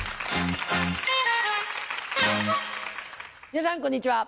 皆さんこんにちは。